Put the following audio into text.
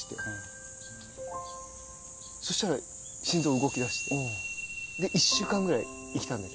そしたら心臓動きだして１週間ぐらい生きたんだけど。